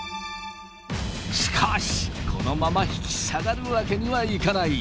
しかしこのまま引き下がるわけにはいかない！